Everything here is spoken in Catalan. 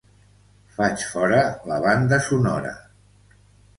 Faig fora la banda sonora.